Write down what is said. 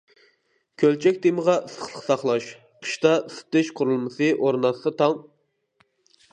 كۆلچەك تېمىغا ئىسسىقلىق ساقلاش، قىشتا ئىسسىتىش قۇرۇلمىسى ئورناتسا-تاڭ.